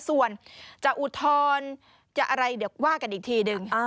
ส่วนจะอุทธรณ์จะอะไรเดี๋ยวว่ากันอีกทีหนึ่ง